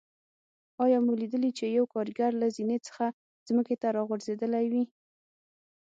آیا مو لیدلي چې یو کاریګر له زینې څخه ځمکې ته راغورځېدلی وي.